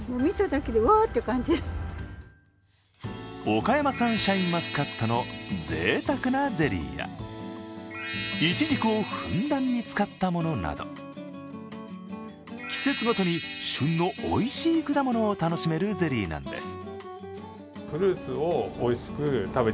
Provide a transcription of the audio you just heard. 岡山産シャインマスカットのぜいたくなゼリーやイチジクをふんだんに使ったものなど季節ごとに旬のおいしい果物を楽しめるゼリーなんです。